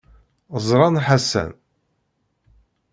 Ẓran Ḥasan.